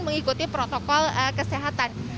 mengikuti protokol kesehatan